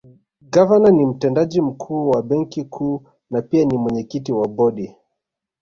Gavana ni Mtendaji Mkuu wa Benki Kuu na pia ni mwenyekiti wa Bodi